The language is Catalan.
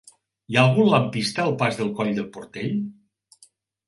Hi ha algun lampista al pas del Coll del Portell?